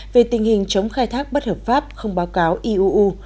về tình hình chống khai thác bất hợp pháp không báo cáo iuu